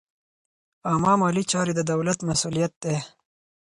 عامه مالي چارې د دولت مسوولیت دی.